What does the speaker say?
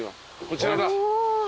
こちらだ。